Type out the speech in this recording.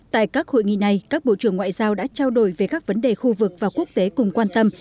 tại các hội nghị này các bộ trưởng ngoại giao đã trao đổi về các vấn đề khu vực và quốc tế cùng quan tâm